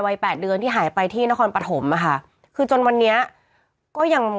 แปดเดือนที่หายไปที่นครปฐมอะค่ะคือจนวันนี้ก็ยัง